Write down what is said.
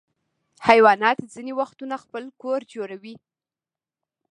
حیوانات ځینې وختونه خپل کور جوړوي.